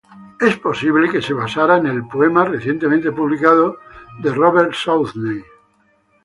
Es posible que se basara en el poema recientemente publicado de Robert Southey.